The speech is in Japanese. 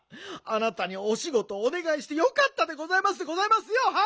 あなたにおしごとをおねがいしてよかったでございますでございますよはい！